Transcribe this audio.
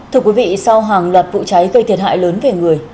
thưa quý vị sau hàng loạt vụ cháy gây thiệt hại lớn về người